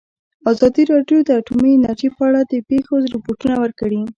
ازادي راډیو د اټومي انرژي په اړه د پېښو رپوټونه ورکړي.